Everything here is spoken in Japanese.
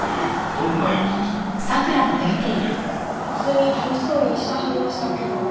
どんなって普通に楽しそうにしてはりましたけど。